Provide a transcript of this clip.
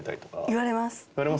言われますよね。